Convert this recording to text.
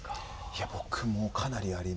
いや僕もかなりありましたね。